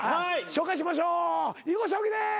紹介しましょう囲碁将棋です。